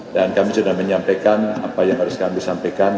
dan kami sudah menyampaikan apa yang harus kami sampaikan